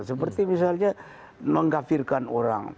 seperti misalnya mengkafirkan orang